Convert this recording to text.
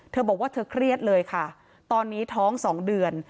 เธอบอกว่าเธอเครียดเลยค่ะตอนนี้ท้อง๒เดือน